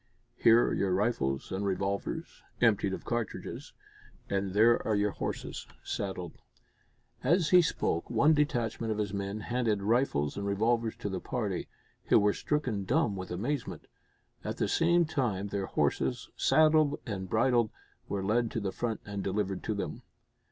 Here are your rifles, and revolvers, emptied of cartridges, and there are your horses saddled." As he spoke, one detachment of his men handed rifles and revolvers to the party, who were stricken dumb with amazement. At the same time, their horses, saddled and bridled, were led to the front and delivered to them.